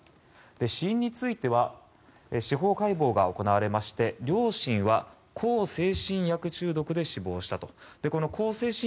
死因については司法解剖が行われまして両親は向精神薬中毒で死亡したと。